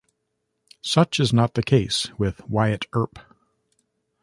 Such is not the case with "Wyatt Earp".